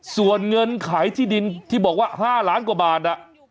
ส่วนเงินขายที่ดินที่บอกว่า๕ล้านกว่าบาท